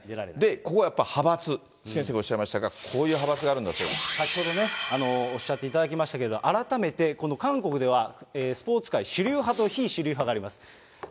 ここやっぱ派閥、先生がおっしゃいましたが、こういう派閥があるちょうどね、おっしゃっていただきましたけど、改めて、この韓国ではスポーツ界主流派と非主流派があります。